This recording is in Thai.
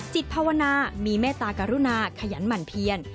ภาวนามีเมตตากรุณาขยันหมั่นเพียน